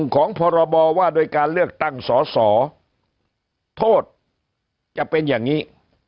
ของพรบว่าโดยการเลือกตั้งสอสอโทษจะเป็นอย่างนี้